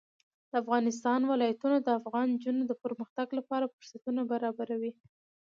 د افغانستان ولايتونه د افغان نجونو د پرمختګ لپاره فرصتونه برابروي.